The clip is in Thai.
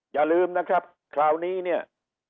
อย่าลืมนะครับคราวนี้เนี่ย